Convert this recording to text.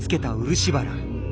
漆原